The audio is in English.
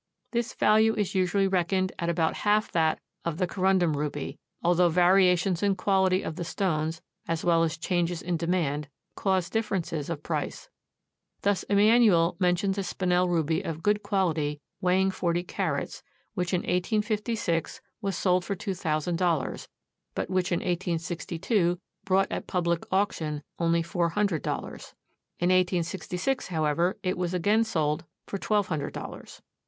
This value is usually reckoned at about half that of the corundum ruby, although variations in quality of the stones, as well as changes in demand, cause differences of price. Thus Emanuel mentions a Spinel ruby of good quality weighing 40 carats, which in 1856 was sold for two thousand dollars, but which in 1862 brought at public auction only four hundred dollars. In 1866, however, it was again sold for twelve hundred dollars.